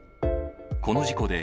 この事故で、